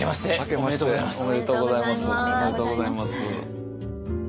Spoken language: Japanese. おめでとうございます。